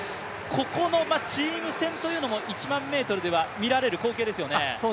ここのチーム戦というのも１００００ｍでは見られる光景ですよね。